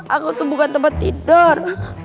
aku tuh bukan tempat tidur